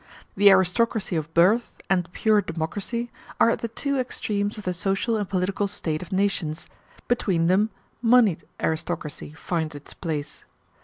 The aristocracy of birth and pure democracy are at the two extremes of the social and political state of nations: between them moneyed aristocracy finds its place.